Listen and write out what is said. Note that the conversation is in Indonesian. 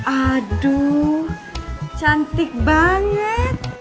aduh cantik banget